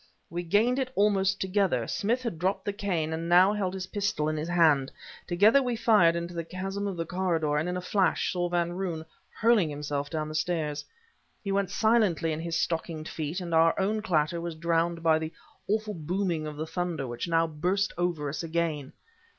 We gained it almost together. Smith had dropped the cane, and now held his pistol in his hand. Together we fired into the chasm of the corridor, and in the flash, saw Van Roon hurling himself down the stairs. He went silently in his stockinged feet, and our own clatter was drowned by the awful booming of the thunder which now burst over us again.